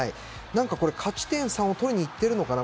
何か、勝ち点３を取りに行っているのかな？